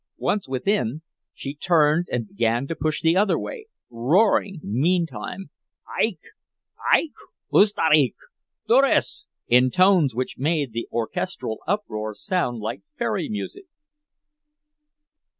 Once within, she turned and began to push the other way, roaring, meantime, "Eik! Eik! Uzdaryk duris!" in tones which made the orchestral uproar sound like fairy music.